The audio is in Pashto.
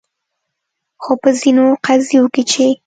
خو په ځینو قضیو کې چې